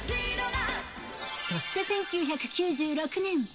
そして１９９６年。